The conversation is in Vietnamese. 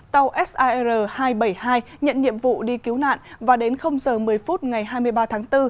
tàu sir hai trăm bảy mươi hai nhận nhiệm vụ đi cứu nạn và đến giờ một mươi phút ngày hai mươi ba tháng bốn